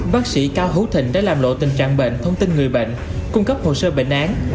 bác sĩ cao hữu thịnh đã làm lộ tình trạng bệnh thông tin người bệnh cung cấp hồ sơ bệnh án